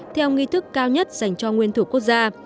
theo nghi thức cao nhất dành cho nguyên thủ quốc gia